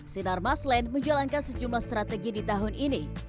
sinar maslen menjalankan sejumlah strategi di tahun ini